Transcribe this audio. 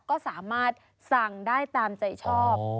ก็สามารถสั่งได้ตามใจชอบ